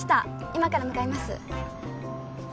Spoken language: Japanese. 今から向かいます。